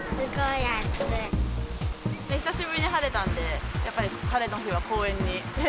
久しぶりに晴れたんで、やっぱり晴れの日は公園に。